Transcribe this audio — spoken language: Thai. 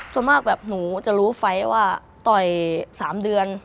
ส่วนมากแบบหนูจะรู้ไฟล์ว่าต่อย๓เดือน